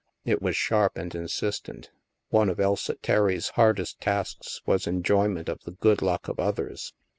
It was sharp and insistent. One of Elsa Terry's hardest tasks was enjoyment of the good luck of others.